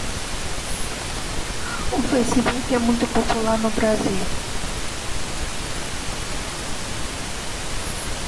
O Facebook é muito popular no Brasil